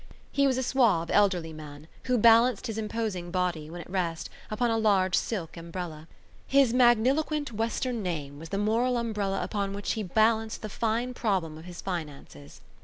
He was a suave, elderly man who balanced his imposing body, when at rest, upon a large silk umbrella. His magniloquent western name was the moral umbrella upon which he balanced the fine problem of his finances.